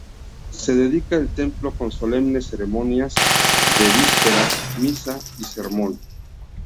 Se dedica el templo con solemnes ceremonias de vísperas, misa y sermón.